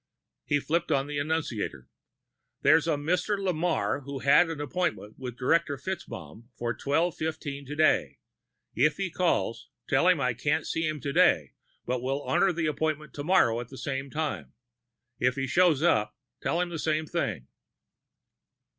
He flipped on the annunciator. "There's a Mr. Lamarre who had an appointment with Director FitzMaugham for 1215 today. If he calls, tell him I can't see him today but will honor the appointment tomorrow at the same time. If he shows up, tell him the same thing."